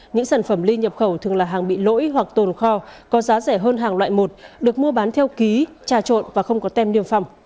những sản phẩm ly nhập khẩu thường là hàng bị lỗi hoặc tồn kho có giá rẻ hơn hàng loại một được mua bán theo ký trà trộn và không có tem niêm phòng